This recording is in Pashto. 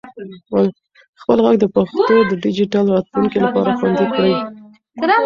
خپل ږغ د پښتو د ډیجیټل راتلونکي لپاره خوندي کړئ.